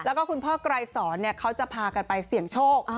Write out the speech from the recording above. แล้วก็คุณพ่อไกรสอนเขาจะพากันไปเสี่ยงโชค